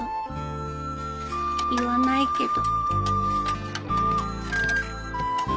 言わないけど